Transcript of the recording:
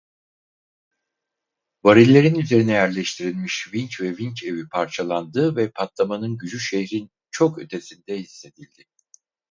Varillerin üzerine yerleştirilmiş vinç ve vinç evi parçalandı ve patlamanın gücü şehrin çok ötesinde hissedildi.